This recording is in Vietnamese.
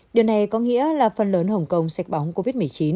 điều này có nghĩa là phần lớn hồng kông sạch bóng covid một mươi chín